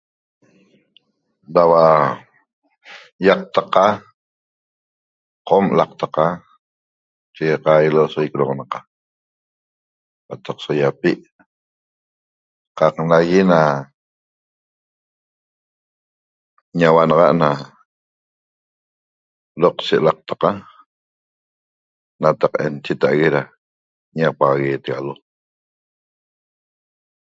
Naua i'aqtaqa qom l'aqtaqa chegaqaiguilo soua iquerodoxonqa qataq so iapi qaq naugui nas ñauanaxaic na doqshe l'aqtaqa nataq'en chita'ague ñapaxaguetegalo